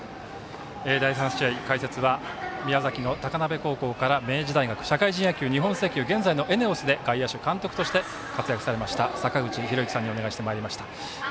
第３試合、解説は宮崎の高鍋高校から明治大学社会人野球日本石油、現在のＥＮＥＯＳで外野手として活躍されました、坂口裕之さんにお願いしてまいりました。